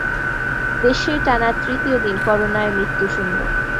দেশে টানা তৃতীয় দিন করোনায় মৃত্যুশূন্য